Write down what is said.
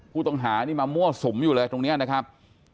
ผู้ต้องหานี่มามั่วสุมอยู่เลยตรงนี้นะครับ